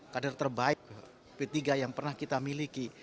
kader terbaik p tiga yang pernah kita miliki